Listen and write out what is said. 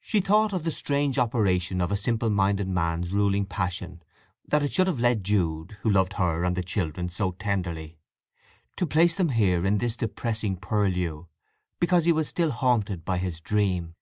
She thought of the strange operation of a simple minded man's ruling passion, that it should have led Jude, who loved her and the children so tenderly, to place them here in this depressing purlieu, because he was still haunted by his dream.